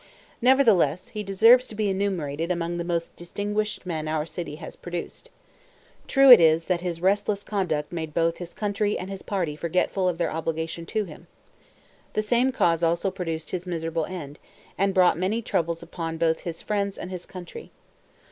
Nevertheless, he deserves to be enumerated among the most distinguished men our city has produced. True it is, that his restless conduct made both his country and his party forgetful of their obligation to him. The same cause also produced his miserable end, and brought many troubles upon both his friends and his country.